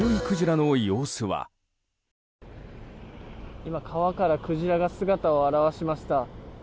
今、川からクジラが姿を現しました。